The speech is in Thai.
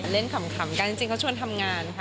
ขำกันจริงเขาชวนทำงานค่ะ